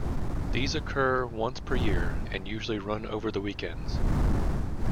These occur once per year and usually run over the weekends.